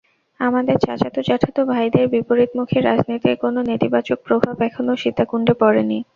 আমাদের চাচাতো-জ্যাঠাতো ভাইদের বিপরীতমুখী রাজনীতির কোনো নেতিবাচক প্রভাব এখনো সীতাকুণ্ডে পড়েনি।